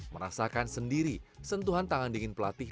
merasakan sendiri sentuhan tangan dingin pelatih